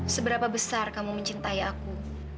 seberapa besar kamu mencintai aku